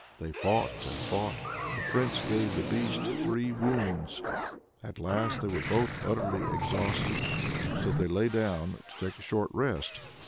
They fought and fought; the Prince gave the beast three wounds. At last they were both utterly exhausted, so they lay down to take a short rest.